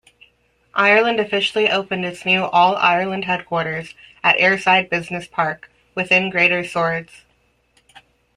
Ireland officially opened its new all-Ireland headquarters at Airside Business Park, within greater Swords.